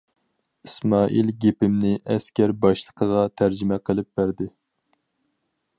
ئىسمائىل گېپىمنى ئەسكەر باشلىقىغا تەرجىمە قىلىپ بەردى.